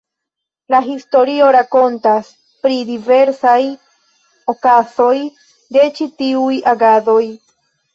La historio rakontas pri diversaj okazoj de ĉi tiuj agadoj.